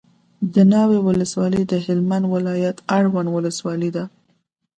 دناوی ولسوالي دهلمند ولایت اړوند ولسوالي ده